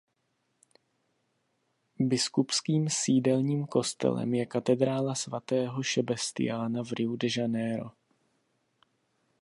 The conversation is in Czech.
Biskupským sídelním kostelem je Katedrála svatého Šebestiána v Riu de Janeiro.